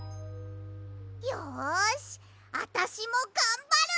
よしあたしもがんばる！